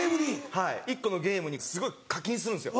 はい１個のゲームにすごい課金するんですよ。